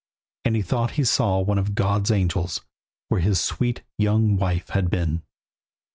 And he thought he saw one of God's angels Where his sweet young wife had been.